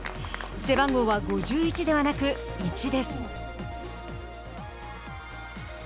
背番号は５１ではなく、１です。